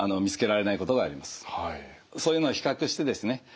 そういうのを比較してですね